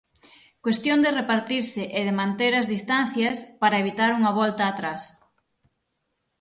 Cuestión de repartirse e de manter as distancias, para evitar unha volta atrás.